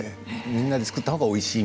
みんなで作った方がおいしい